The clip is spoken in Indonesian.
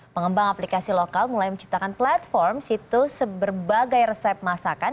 mengembang aplikasi lokal mulai menciptakan platform situ seberbagai resep masakan